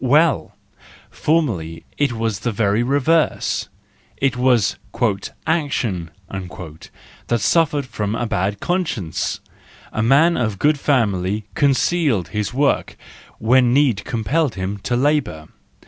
—Well! Formerly it was the very reverse: it was "action" that suffered from a bad conscience. A man of good family concealed his work when need compelled him to labour.